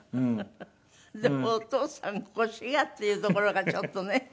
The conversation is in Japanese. でも「お父さん腰が」って言うところがちょっとね。